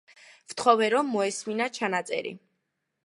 ვთხოვე, რომ მოესმინა ჩანაწერი.